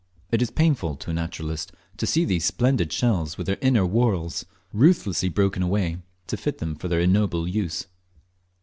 It is painful to a naturalist to see these splendid shells with their inner whorls ruthlessly broken away to fit them for their ignoble use.